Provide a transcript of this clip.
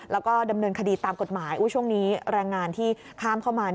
แล้วก็ดำเนินคดีตามกฎหมายช่วงนี้แรงงานที่ข้ามเข้ามา